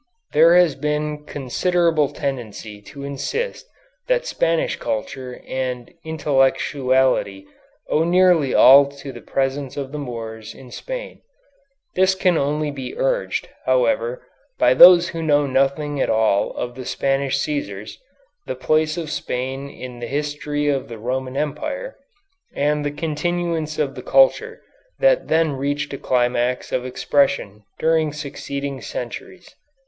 There has been considerable tendency to insist that Spanish culture and intellectuality owe nearly all to the presence of the Moors in Spain. This can only be urged, however, by those who know nothing at all of the Spanish Cæsars, the place of Spain in the history of the Roman Empire, and the continuance of the culture that then reached a climax of expression during succeeding centuries.